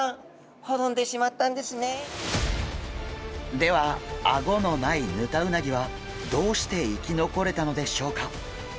ではアゴのないヌタウナギはどうして生き残れたのでしょうか？